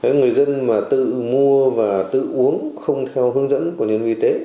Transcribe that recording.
người dân mà tự mua và tự uống không theo hướng dẫn của nhân vi tế